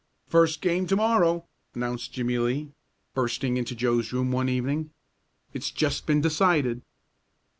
"First game to morrow," announced Jimmie Lee, bursting into Joe's room one evening. "It's just been decided."